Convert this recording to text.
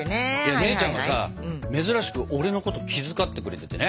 姉ちゃんがさ珍しく俺のことを気遣ってくれててね。